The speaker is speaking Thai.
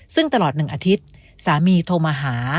ซึ่งตลอด๑อาทิตย์สามีโทรมาหา